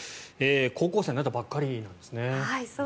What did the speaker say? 高校生になったばかりなんですね。